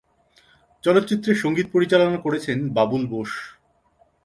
চলচ্চিত্রের সংগীত পরিচালনা করেছেন বাবুল বোস।